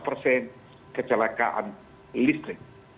masalahnya adalah kenapa bisa terjadi kecelakaan listrik